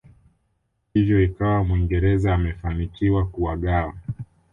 Hivyo ikawa muingereza amefanikiwa kuwagawa